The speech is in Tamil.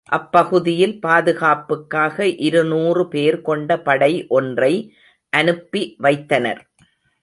அப்பகுதியில், பாதுகாப்புக்காக இருநூறு பேர் கொண்ட படை ஒன்றை அனுப்பி வைத்தனர்.